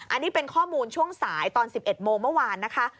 อันนี้เป็นข้อมูลช่วงสายตอน๑๑โมงเมื่อวานนะคะ